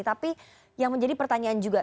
tapi yang menjadi pertanyaan juga